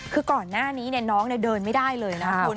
คือก่อนหน้านี้น้องเดินไม่ได้เลยนะคุณ